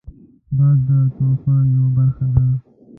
باد د طوفان یو برخه ده